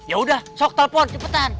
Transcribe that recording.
ya udah sok telpon cepetan